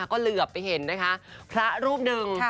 ก็เหลือไปเห็นนะคะพระรูปหนึ่ง